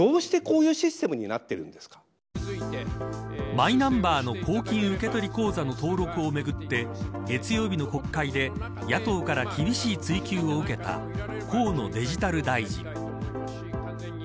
マイナンバーの公金受取口座の登録をめぐって月曜日の国会で野党から厳しい追及を受けた河野デジタル大臣。